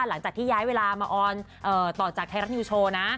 หลังจากที่ย้ายเวลามาออนต่อจากไทยรัฐนิวโชว์นะ